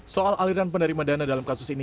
soal aliran penerima dana dalam kasus ini